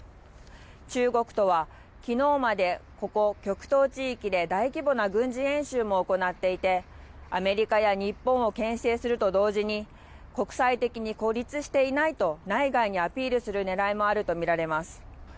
中国とはきのうまでここ、極東地域で大規模な軍事演習も行っていて、アメリカや日本をけん制すると同時に国際的に孤立していないと内外にアピールするねらいもあると見られます。